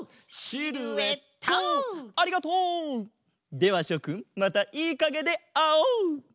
ではしょくんまたいいかげであおう！